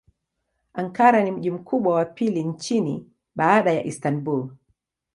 Ankara ni mji mkubwa wa pili nchini baada ya Istanbul.